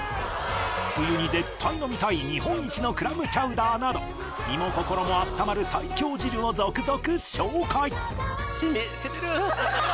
冬に絶対飲みたい日本一のクラムチャウダーなど身も心も温まる最強汁を続々紹介染みる！